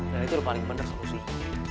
dan itu udah paling bener solusinya